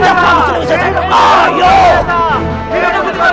hidup hidup hidup hidup hidup